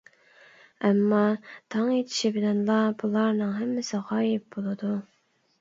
ئەمما، تاڭ ئېتىشى بىلەنلا بۇلارنىڭ ھەممىسى غايىب بولىدۇ.